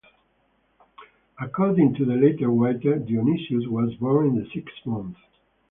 According to the latter writer, Dionysus was born in the sixth month.